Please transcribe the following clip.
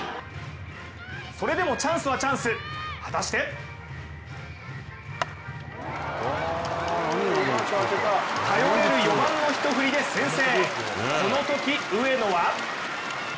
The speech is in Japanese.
それでもチャンスはチャンス果たして頼れる４番の１振りで先制。